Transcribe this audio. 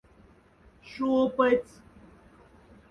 Шоподсь.